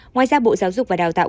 ngoài ra bộ giáo dục và đào tạo